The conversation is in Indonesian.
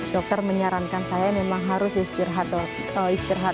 dokter menyarankan saya memang harus istirahat total dan saya juga selama istirahat